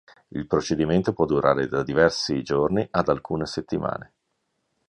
Il procedimento può durare da diversi giorni ad alcune settimane.